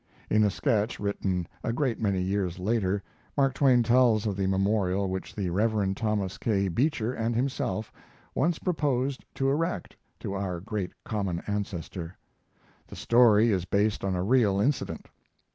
In a sketch written a great many years later Mark Twain tells of the memorial which the Rev. Thomas K. Beecher and himself once proposed to erect to our great common ancestor. The story is based on a real incident.